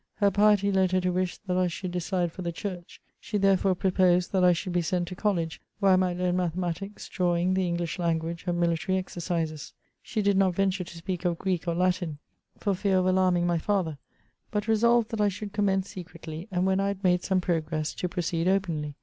Her piety led her to wish that I should decide for the Church : she therefore proposed that I should be sent to college, where I might learn mathematics, drawing, the English Language, and miUtarj exercises. She did not yenture to speak of Greek or Latin, for fear of alarming my father ; but resolyed that I should com mence secretly, and, when I had made some progress, to pro ceed openly.